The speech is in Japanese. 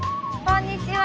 こんにちは。